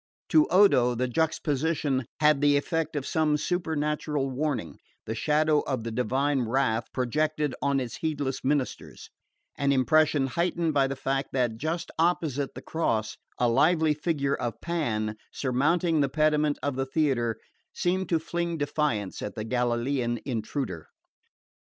To Odo the juxtaposition had the effect of some supernatural warning, the shadow of the divine wrath projected on its heedless ministers; an impression heightened by the fact that, just opposite the cross, a lively figure of Pan, surmounting the pediment of the theatre, seemed to fling defiance at the Galilean intruder.